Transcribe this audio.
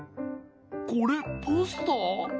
これポスター？